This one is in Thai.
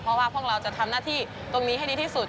เพราะว่าพวกเราจะทำหน้าที่ตรงนี้ให้ดีที่สุด